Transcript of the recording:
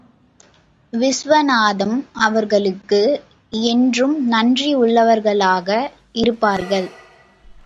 விசுவநாதம் அவர்களுக்கு என்றும் நன்றியுள்ளவர்களாக இருப்பார்கள்.